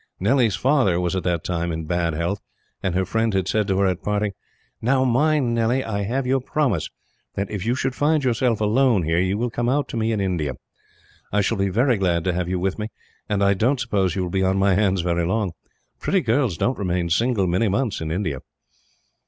Nellie's father was at that time in bad health; and her friend had said to her, at parting: "Now mind, Nellie, I have your promise that, if you should find yourself alone here, you will come out to me in India. I shall be very glad to have you with me, and I don't suppose you will be on my hands very long; pretty girls don't remain single many months, in India."